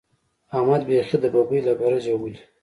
احمد يې بېخي د ببۍ له برجه ولي.